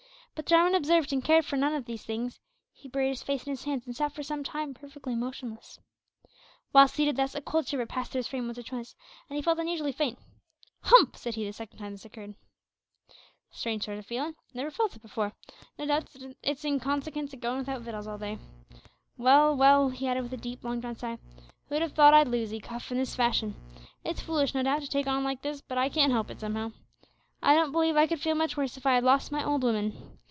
But Jarwin observed and cared for none of these things. He buried his face in his hands, and sat for some time perfectly motionless. While seated thus, a cold shiver passed through his frame once or twice, and he felt unusually faint. "Humph!" said he, the second time this occurred, "strange sort o' feelin'. Never felt it before. No doubt it's in consikince o' goin' without wittles all day. Well, well," he added, with a deep long drawn sigh, "who'd have thought I'd lose 'ee, Cuff, in this fashion. It's foolish, no doubt, to take on like this, but I can't help it somehow. I don't believe I could feel much worse if I had lost my old 'ooman.